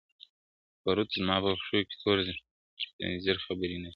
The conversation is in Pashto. پروت زما په پښو کي تور زنځیر خبري نه کوي,